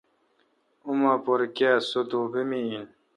اوما پر کیا سُو دوبی این آں؟